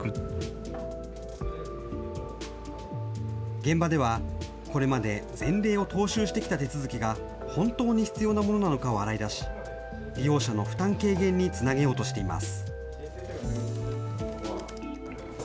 現場では、これまで前例を踏襲してきた手続きが本当に必要なものなのかを洗い出し、利用者の負担軽減につなげようとしています。